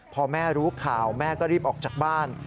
พอแม่รู้ข่าวแม่ก็รีบออกจากบ้าน